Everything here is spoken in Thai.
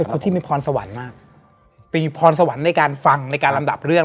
คนที่มีพรสวรรค์มากมีพรสวรรค์ในการฟังในการลำดับเรื่อง